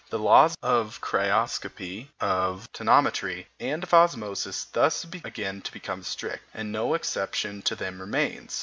The laws of cryoscopy, of tonometry, and of osmosis thus again become strict, and no exception to them remains.